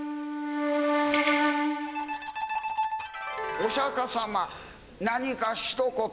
お釈迦様何か一言。